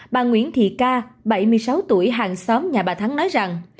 bà nguyễn thị ca bảy mươi sáu tuổi hàng xóm nhà bà thắng nói rằng